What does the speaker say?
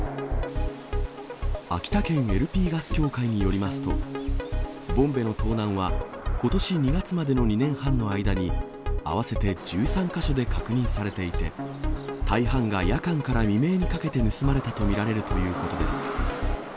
秋田県ＬＰガス協会によりますと、ボンベの盗難はことし２月までの２年半の間に、合わせて１３か所で確認されていて、大半が夜間から未明にかけて盗まれたと見られるということです。